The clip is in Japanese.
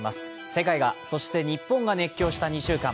世界が、そして日本が熱狂した２週間。